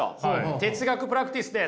哲学プラクティスです。